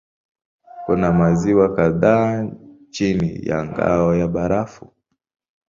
Kuna maziwa kadhaa chini ya ngao ya barafu.